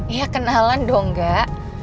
ya kenalan dong gak